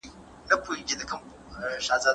څرک لګول یې خورا ګران دي.